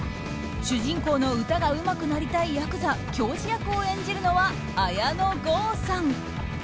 主人公の歌がうまくなりたいヤクザ、狂児役を演じるのは綾野剛さん。